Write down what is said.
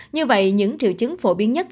như vậy những triệu chứng phổ biến nhất